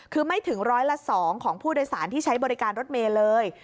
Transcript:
คือไม่ถึงร้อยละ๒ของผู้โดยสารที่ใช้บริการรถเมย์เลย